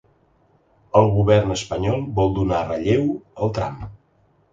El govern espanyol vol donar relleu al tram.